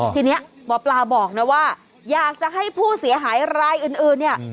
ทีนี้หมอปลาบอกนะว่าอยากจะให้ผู้เสียหายรายอื่นเนี่ย